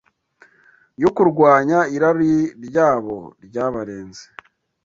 yo kurwanya irari ryabo ryabarenze